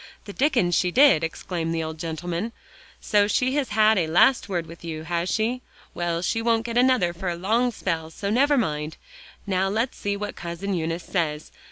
"The Dickens she did," exclaimed the old gentleman; "so she has had a last word with you, has she? Well, she won't get another for a long spell; so never mind. Now, let's see what Cousin Eunice says.